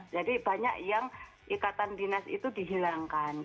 jadi banyak yang ikatan dinas itu dihilangkan